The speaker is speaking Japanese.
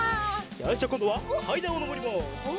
よしじゃあこんどはかいだんをのぼります。